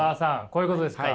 こういうことですか？